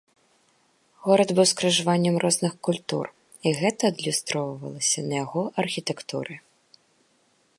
Горад быў скрыжаваннем розных культур, і гэта адлюстравалася на яго архітэктуры.